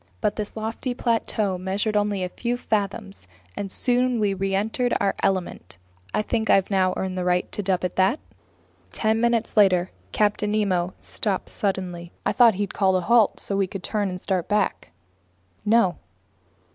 But this lofty plateau measured only a few fathoms, and soon we reentered Our Element. I think I've now earned the right to dub it that. Ten minutes later, Captain Nemo stopped suddenly. I thought he'd called a halt so that we could turn and start back. No.